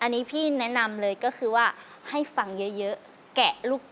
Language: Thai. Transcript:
ในอนาคว่า